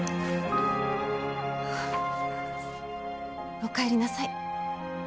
おかえりなさい。